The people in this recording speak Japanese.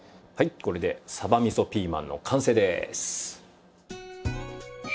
はいこれで鯖味噌ピーマンの完成です。